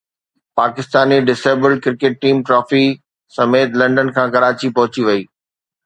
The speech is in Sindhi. Pakistani disabled cricket team trophy سميت لنڊن کان ڪراچي پهچي وئي